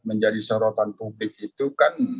menjadi sorotan publik itu kan